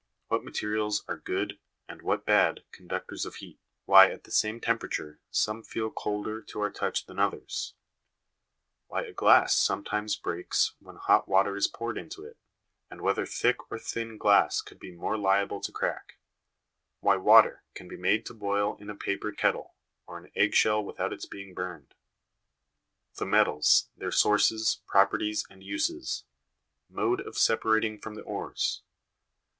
what materials are good, and what bad, conductors of heat ; why at the same temperature some feel colder to our touch than others ; why a glass sometimes breaks when hot water is poured into it, and whether thick or thin glass would be more liable to crack ; why water can be made to boil in a paper kettle or an egg shell without its being burned. The metals, their sources, properties, and uses ; mode of separating from the ores.